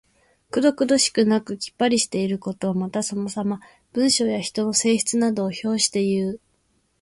くどくどしくなくきっぱりしていること。また、そのさま。文章や人の性質などを評していう。